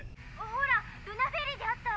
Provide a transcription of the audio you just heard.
「ほらルナフェリーで会った」。